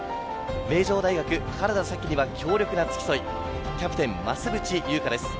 名城大学・原田紗希には強力な付き添い、キャプテン・増渕祐香です。